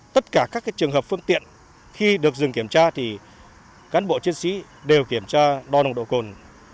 tất cả các trường hợp phương tiện khi được dừng kiểm tra thì cán bộ chiến sĩ đều kiểm tra đo nồng độ cồn